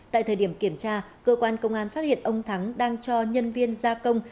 tại thời điểm kiểm tra cơ quan công an phát hiện ông thắng đang cho nhân viên gia công